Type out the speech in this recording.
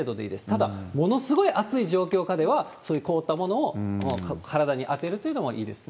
ただ、ものすごい暑い状況下では、そういう凍ったものを体に当てるというのもいいですね。